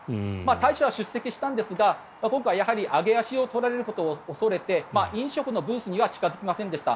大使は出席したんですが今回やはり揚げ足を取られることを恐れて飲食のブースには近付きませんでした。